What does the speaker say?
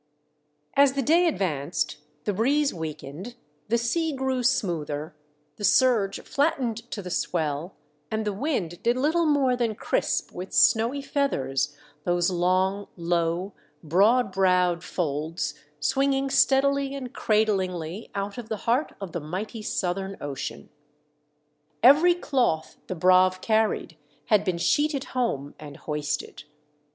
i\s the day advanced, the breeze weakened, the sea grew smoother, the surge flattened to the swell, and the wind did litde more than crisp with snowy feathers those long, low, broad browed folds swinging steadily and cradlingly out of the heart of the mighty southern ocean. Every cloth the Braave 346 THE DEATH SHIP. carried had been sheeted home and hoisted.